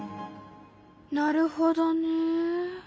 なるほどね。